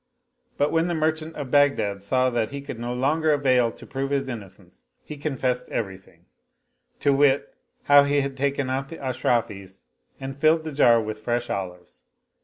But when the merchant of Baghdad saw that he could no longer avail to prove his innocence, he confessed everything ; to wit, how he had taken out the Ashrafis and filled the jar with fresh olives.